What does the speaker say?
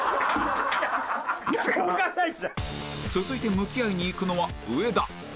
続いて向き合いにいくのは上田